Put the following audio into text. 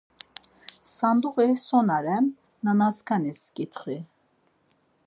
Sanduği so na ren nanaskanis ǩitxi.